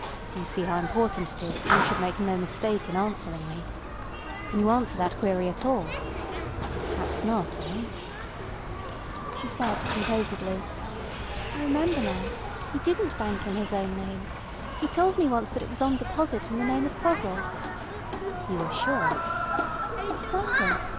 Do you see how important it is that you should make no mistake in answering me? Can you answer that query at all? Perhaps not. Eh?" She said composedly: "I remember now! He didn't bank in his own name. He told me once that it was on deposit in the name of Prozor." "You are sure?" "Certain."